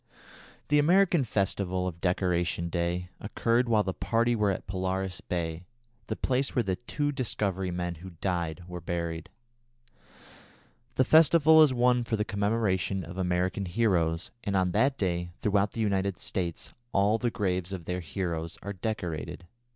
The American festival of "Decoration Day" occurred while the party were at Polaris Bay, the place where the two Discovery men who died were buried. The festival is one for the commemoration of American heroes, and on that day throughout the United States all the graves of their heroes are decorated.